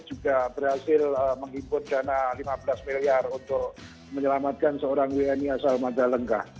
juga berhasil menghibur dana lima belas miliar untuk menyelamatkan seorang wni asal masa lengkah